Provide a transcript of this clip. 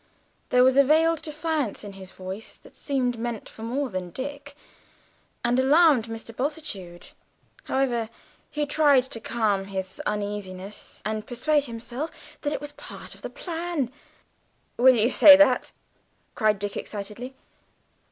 There was a veiled defiance in his voice that seemed meant for more than Dick, and alarmed Mr. Bultitude; however, he tried to calm his uneasiness and persuade himself that it was part of the plot. "Will you say that?" cried Dick excitedly.